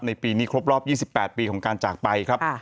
ปีนี้ครบรอบ๒๘ปีของการจากไปครับ